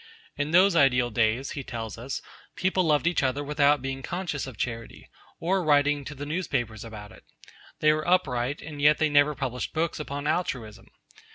In those ideal days, he tells us, people loved each other without being conscious of charity, or writing to the newspapers about it. They were upright, and yet they never published books upon Altruism.